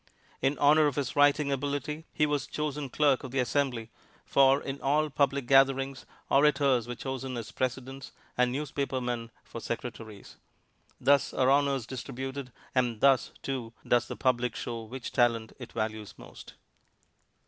In honor of his writing ability, he was chosen clerk of the Assembly, for in all public gatherings orators are chosen as presidents and newspapermen for secretaries. Thus are honors distributed, and thus, too, does the public show which talent it values most.